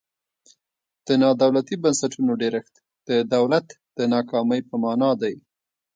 د نا دولتي بنسټونو ډیرښت د دولت د ناکامۍ په مانا دی.